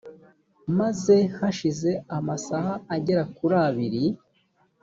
maze hashize amasaha agera kuri abiri